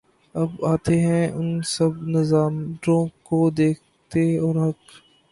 اب آتے ہیں ان سب نظاروں کو دیکھتے اور حق